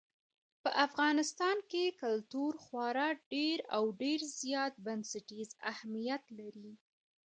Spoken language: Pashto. په افغانستان کې کلتور خورا ډېر او ډېر زیات بنسټیز اهمیت لري.